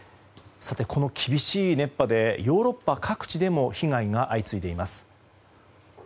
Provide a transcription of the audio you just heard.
この厳しい熱波でヨーロッパ各地でも被害が相次いでいます。